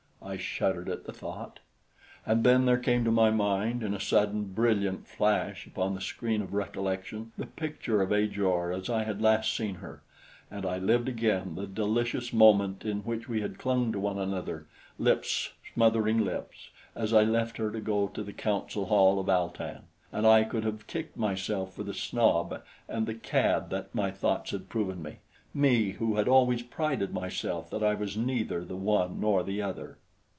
I shuddered at the thought. And then there came to my mind, in a sudden, brilliant flash upon the screen of recollection the picture of Ajor as I had last seen her, and I lived again the delicious moment in which we had clung to one another, lips smothering lips, as I left her to go to the council hall of Al tan; and I could have kicked myself for the snob and the cad that my thoughts had proven me me, who had always prided myself that I was neither the one nor the other!